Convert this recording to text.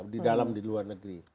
di dalam di luar negeri